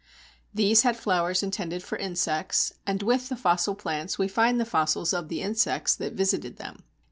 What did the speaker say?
These had flowers intended for insects, and with the fossil plants we find the fossils of the insects that visited them.